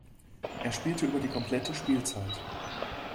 Er spielte über die komplette Spielzeit.